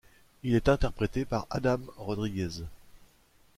Il est interprété par Adam Rodriguez.